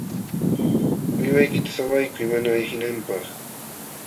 Uywaykita sawaykuy mana ayqinanpaq.